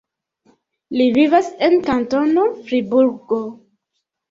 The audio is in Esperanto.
Li vivas en Kantono Friburgo.